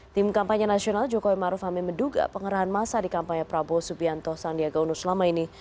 tim kampanye nasional jokowi maruf amin menduga pengerahan masa di kampanye prabowo subianto sandiaga uno selama ini